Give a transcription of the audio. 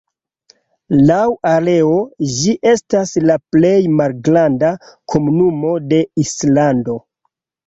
Laŭ areo, ĝi estas la plej malgranda komunumo de Islando.